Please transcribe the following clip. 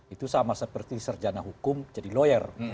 itu sama seperti serjana hukum jadi lawyer